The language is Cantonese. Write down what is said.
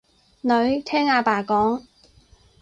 女，聽阿爸講